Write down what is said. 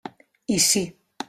I sí.